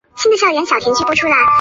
宇喜多秀家次子。